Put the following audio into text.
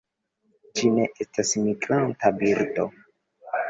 Ĝi ne estas migranta birdo.